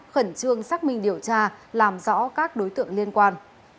khẩn trương xác minh điều tra làm rõ các đối tượng liên quan